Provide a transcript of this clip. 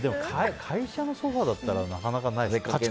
会社のソファだったらなかなかないでしょ。